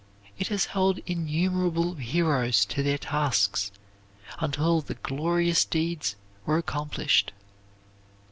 It has held innumerable heroes to their tasks until the glorious deeds were accomplished.